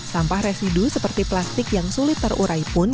sampah residu seperti plastik yang sulit terurai pun